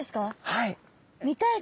はい。